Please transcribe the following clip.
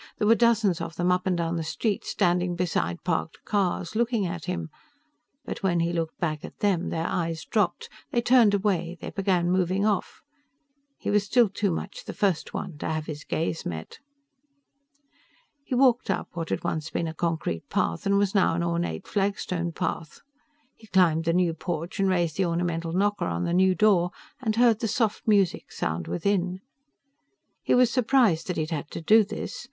There were dozens of them up and down the street, standing beside parked cars, looking at him. But when he looked back at them, their eyes dropped, they turned away, they began moving off. He was still too much the First One to have his gaze met. He walked up what had once been a concrete path and was now an ornate flagstone path. He climbed the new porch and raised the ornamental knocker on the new door and heard the soft music sound within. He was surprised that he'd had to do this.